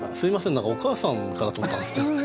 何か「お母さん」からとったんですってね。